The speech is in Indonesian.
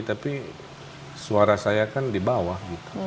tapi suara saya kan di bawah gitu